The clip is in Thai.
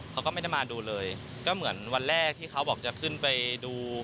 เขาก็ไม่ได้มาดูเลยก็เหมือนวันแรกที่เขาบอกจะขึ้นไปดู